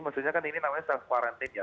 maksudnya kan ini namanya self quarantine ya